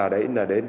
đấy là đến